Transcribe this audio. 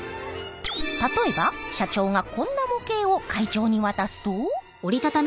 例えば社長がこんな模型を会長に渡すと？